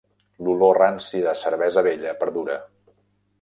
L'olor ranci de cervesa vella perdura.